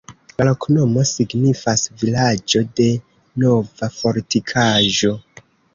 La loknomo signifas: vilaĝo de nova fortikaĵo.